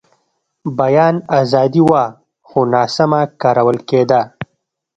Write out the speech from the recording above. بیان ازادي وه، خو ناسمه کارول کېده.